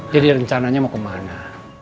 jadi rencananya mau kemana